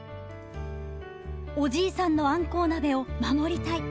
おじいさんのあんこう鍋を守りたい。